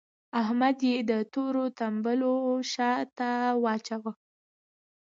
احمد يې د تورو تمبو شا ته واچاوو.